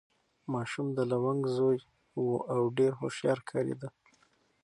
ماشوم د لونګ زوی و او ډېر هوښیار ښکارېده.